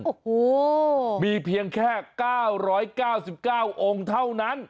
โอ้โหมีเพียงแค่๙๙๙องค์เท่านั้น